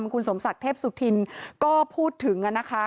คุณสมศักดิ์เทพสุธินก็พูดถึงนะคะ